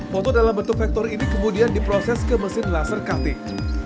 foto dalam bentuk vektor ini kemudian diproses ke mesin laser cutting